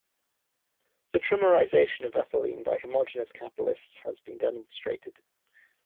The trimerization of ethylene by homogeneous catalysts has been demonstrated.